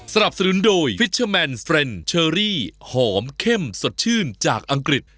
สนับสนุนโดยฟิชเชอร์แมนเฟรนด์เชอรี่หอมเข้มสดชื่นจากอังกฤษ